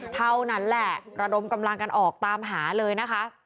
เท่านั้นแหละระดมกำลังกันออกตามหาเลยนะคะ